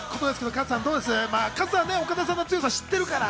加藤さん、岡田さんの強さ知ってるから。